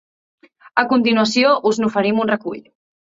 A continuació us n’oferim un recull.